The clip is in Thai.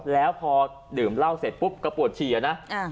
แล้วพอดื่มเล่าเสร็จปุ๊บก็ปวดฉี่อ่ะนะอ่า